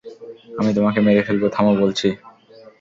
আমি তোমাকে মেরে ফেলবো, থামো বলছি!